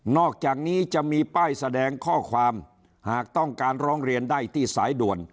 อกจากนี้จะมีป้ายแสดงข้อความหากต้องการร้องเรียนได้ที่สายด่วน